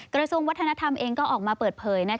กระทรวงวัฒนธรรมเองก็ออกมาเปิดเผย